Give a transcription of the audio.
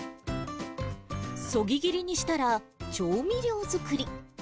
そぎ切りにしたら、調味料作り。